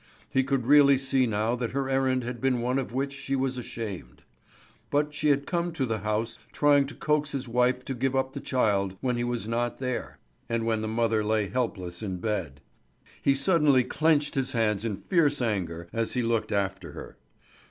He could really see now that her errand had been one of which she was ashamed. But she had come to the house trying to coax his wife to give up the child when he was not there, and when the mother lay helpless in bed. He suddenly clenched his hands in fierce anger as he looked after her.